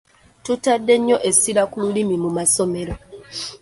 Tutadde ennyo essira ku lulimi mu masomero.